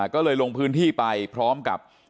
ก็เลยลงพื้นที่ไปพร้อมกับ